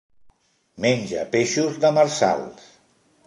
Menja peixos demersals.